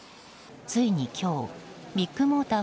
ついに今日ビッグモーター